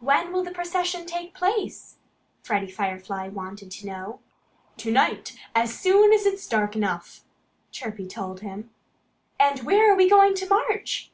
"When will the procession take place?" Freddie Firefly wanted to know. "To night, as soon as it's dark enough!" Chirpy told him. "And where are we going to march?"